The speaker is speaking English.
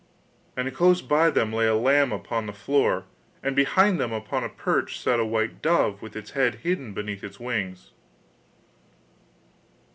And close by them lay a lamb upon the floor, and behind them upon a perch sat a white dove with its head hidden beneath its wings.